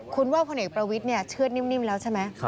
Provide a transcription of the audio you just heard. คุณว่าพลเอกประวิทย์เชื่อดนิ่มแล้วใช่ไหม